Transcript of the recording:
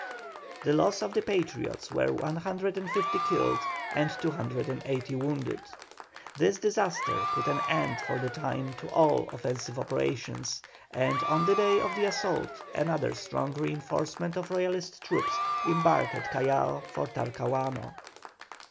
The loss of the Patriots was 150 killed and 280 wounded. This disaster put an end for the time to all offensive operations, and on the day of the assault another strong reinforcement of Royalist troops embarked at Callao for Talcahuano.